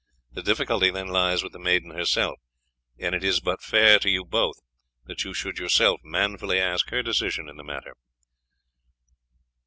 The difficulty then lies with the maiden herself, and it is but fair to you both that you should yourself manfully ask her decision in the matter."